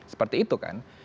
seperti itu kan